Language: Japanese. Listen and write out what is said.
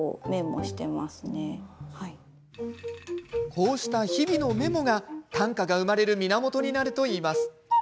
こうした日々のメモが、短歌が生まれる源になるといいます。